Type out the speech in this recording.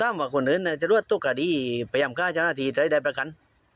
ตามว่าคนอื่นจะรวดทุกข้าดีพยายามก้าวเจ้าหน้าทีจะได้ประคัญ